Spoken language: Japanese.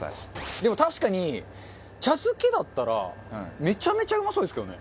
でも確かに茶漬けだったらめちゃめちゃうまそうですけどね。